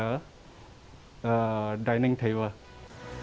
menurut ahli gizi kerang kerang ini menakutkan untuk membuatnya untuk makan di rumah